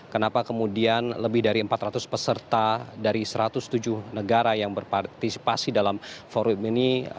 kenapa kemudian lebih dari empat ratus peserta dari satu ratus tujuh negara yang berpartisipasi dalam forum ini